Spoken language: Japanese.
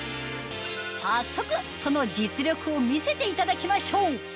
早速その実力を見せていただきましょう